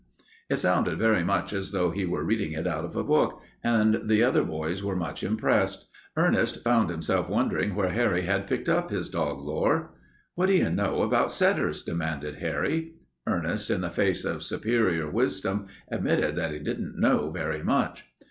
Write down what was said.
It sounded very much as though he were reading it out of a book, and the other boys were much impressed. Ernest found himself wondering where Harry had picked up his dog lore. "What do you know about setters?" demanded Harry. Ernest, in the face of superior wisdom, admitted that he didn't know very much.